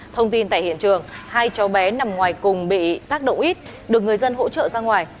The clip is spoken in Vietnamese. thông tin tại hiện trường hai cháu bé nằm ngoài cùng bị tác động ít được người dân hỗ trợ ra ngoài